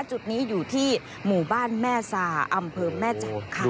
จุดนี้อยู่ที่หมู่บ้านแม่ซาอำเภอแม่จักรค่ะ